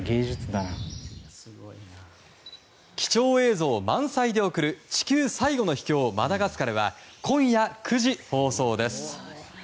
貴重映像満載で送る「地球最後の秘境マダガスカル！」は今夜９時放送です。